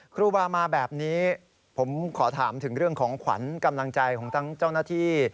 ครูบามาแบบนี้ผมขอถามถึงเรื่องของขวัญกำลังใจของทั้งเจ้าหน้าที่